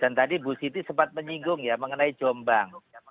dan tadi bu siti sempat menyinggung ya mengenai jombang